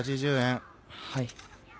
はい。